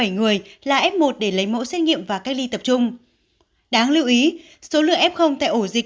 bốn trăm bảy mươi bảy người là f một để lấy mẫu xét nghiệm và cách ly tập trung đáng lưu ý số lượng f tại ổ dịch